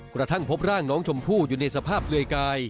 กระทั่งพบร่างน้องชมพู่อยู่ในสภาพเปลือยกาย